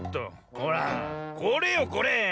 ほらこれよこれ。